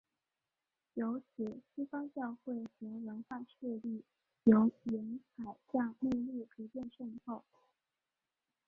由此西方教会和文化势力由沿海向内陆逐步渗透。